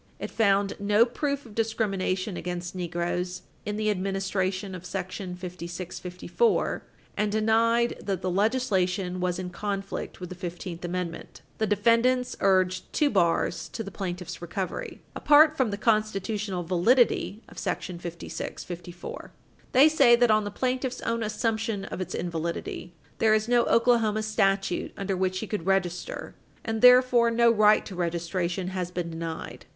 It found no proof of discrimination against negroes in the administration of § 5654, and denied that the legislation was in conflict with the Fifteenth Amendment. 98 F.2d 980. The defendants urge two bars to the plaintiff's recovery, apart from the constitutional validity of § 5654. They say that, on the plaintiff's own assumption of its invalidity, there is no Oklahoma statute under which he could register, and therefore no right to registration has been denied.